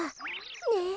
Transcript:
ねえ。